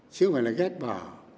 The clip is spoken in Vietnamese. chứ không phải là ghét bỏ